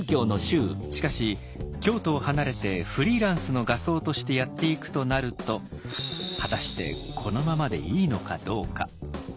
しかし京都を離れてフリーランスの画僧としてやっていくとなると果たしてこのままでいいのかどうか。